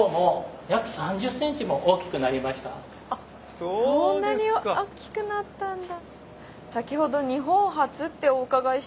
そんなに大きくなったんだ！